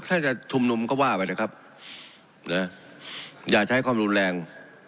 ถ้าจะชุมนุมก็ว่าไปนะครับนะอย่าใช้ความรุนแรง